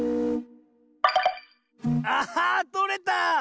あっとれた！